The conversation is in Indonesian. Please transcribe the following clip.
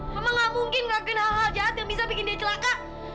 memang gak mungkin gak kenal hal hal jahat yang bisa bikin dia celaka